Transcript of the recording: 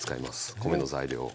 米の材料を。